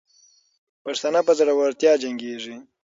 پښتانه په زړورتیا جنګېږي.